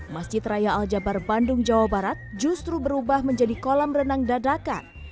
masjid raya al jabar bandung jawa barat justru berubah menjadi kolam renang dadakan